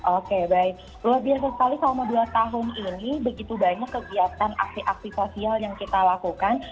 oke baik luar biasa sekali selama dua tahun ini begitu banyak kegiatan aksi aksi sosial yang kita lakukan